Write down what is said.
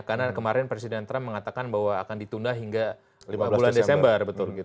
karena kemarin presiden trump mengatakan bahwa akan ditunda hingga lima belas desember betul